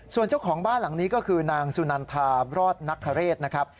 ส่วนเจ้าของบ้านหลังนี้ก็คือนางสุนันทารอดนักขเรศนะครับ